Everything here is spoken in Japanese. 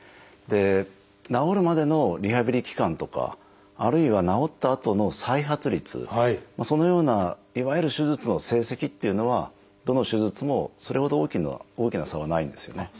治るまでのリハビリ期間とかあるいは治ったあとの再発率そのようないわゆる手術の成績っていうのはどの手術もそれほど大きな差はないんですよね。